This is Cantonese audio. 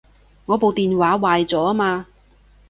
我部電話壞咗吖嘛